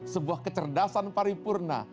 sebuah kecerdasan paripurna